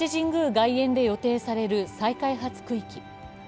外苑で予定される再開発区域。